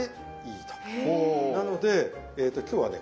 なので今日はね